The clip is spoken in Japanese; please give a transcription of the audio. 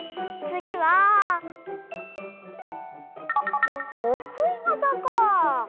つぎはとくいわざか。